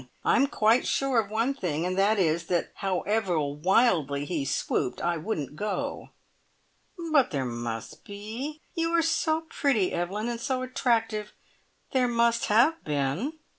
I'm quite sure of one thing, and that is, that however wildly he swooped, I wouldn't go!" "But there must be you are so pretty, Evelyn, and so attractive there must have been."